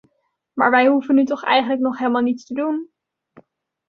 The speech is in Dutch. Maar wij hoeven nu toch eigenlijk nog helemaal niets te doen.